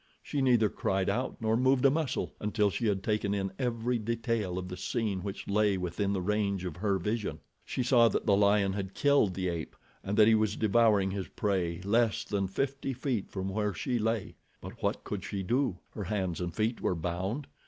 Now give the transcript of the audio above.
She neither cried out nor moved a muscle, until she had taken in every detail of the scene which lay within the range of her vision. She saw that the lion had killed the ape, and that he was devouring his prey less than fifty feet from where she lay; but what could she do? Her hands and feet were bound.